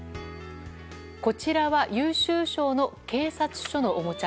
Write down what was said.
こちらは優秀賞の警察署のおもちゃ。